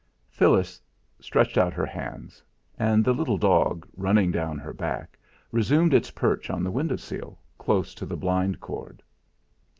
Phyllis stretched out her hands, and the little dog, running down her back, resumed its perch on the window sill, close to the blind cord.